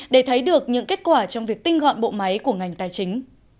để thấy được những kết quả trong việc tinh gọn bộ máy của ngành tài chính